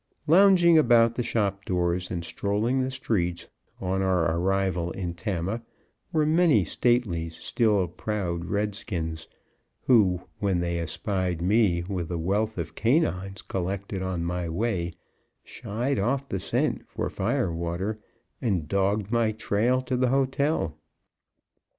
Lounging about the shop doors and strolling the streets, on our arrival in Tama, were many stately, still proud redskins, who, when they espied me with the wealth of canines collected on my way, shied off the scent for "fire water" and dogged my trail to the hotel.